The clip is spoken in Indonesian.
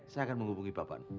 saya akan menghubungi bapak